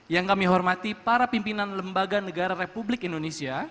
yang kami hormati para pimpinan lembaga negara republik indonesia